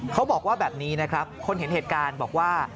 เขาบอกว่าแบบนี้นะครับคนเห็นเหตุการณ์บอกว่า